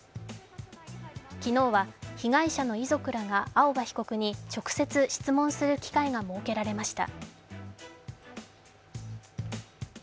昨日は被害者の遺族らが青葉被告に直接質問する機会が設けられました。